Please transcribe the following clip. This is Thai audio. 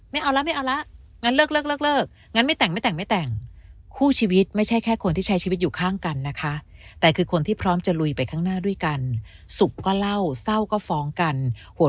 ไม่เอาแล้วไม่เอาละงั้นเลิกเลิกงั้นไม่แต่งไม่แต่งไม่แต่งคู่ชีวิตไม่ใช่แค่คนที่ใช้ชีวิตอยู่ข้างกันนะคะแต่คือคนที่พร้อมจะลุยไปข้างหน้าด้วยกันสุขก็เล่าเศร้าก็ฟ้องกันหัว